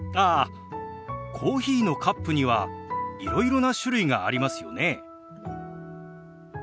ああコーヒーのカップにはいろいろな種類がありますよね。